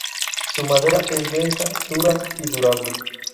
Su madera es densa, dura y durable.